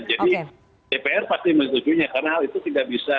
jadi dpr pasti menyetujuinya karena hal itu tidak bisa